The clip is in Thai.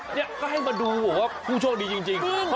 นี่ก็ให้มาดูบอกว่าผู้โชคดีจริง